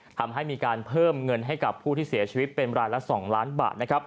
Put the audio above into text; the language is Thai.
ทำให้มีการเพิ่มเงินให้กับผู้ที่เสียชีวิตเป็นรายละ๒ล้านบาทนะครับ